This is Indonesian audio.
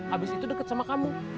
abis itu deket sama kamu